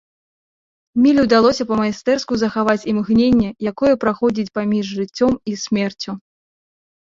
Міле ўдалося па-майстэрску захаваць імгненне, якое праходзіць паміж жыццём і смерцю.